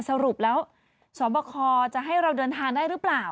สรุปแล้วสวบคจะให้เราเดินทางได้หรือเปล่า